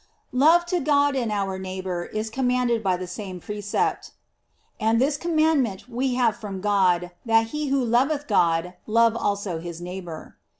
LOVE to God and our neighbor is commanded by the same precept: "And this commandment we have from God, that he who loyeth God, love also his neighbor."